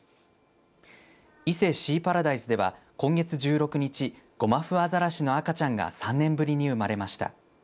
伊勢シーパラダイスでは今月１６日ゴマフアザラシの赤ちゃんが３年ぶりに生まれました。